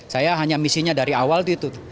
saya hanya misinya dari awal itu